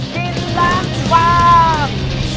กินล้างบาง